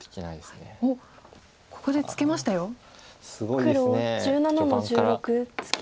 黒１７の十六ツケ。